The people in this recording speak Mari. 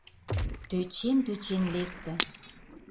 Тӧчен-тӧчен лекте.